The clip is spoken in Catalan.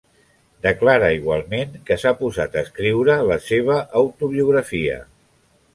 Declara igualment que s'ha posat a escriure la seva autobiografia.